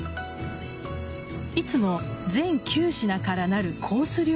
いつも全９品からなるコース